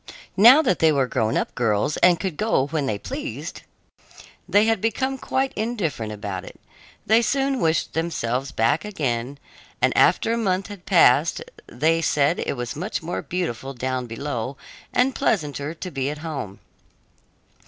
Now that they were grown up girls and could go when they pleased, they had become quite indifferent about it. They soon wished themselves back again, and after a month had passed they said it was much more beautiful down below and pleasanter to be at home.